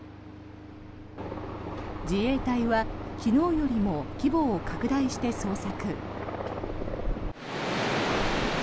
自衛隊は昨日よりも規模を拡大して捜索。